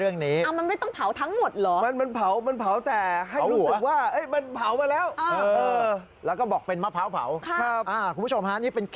เออ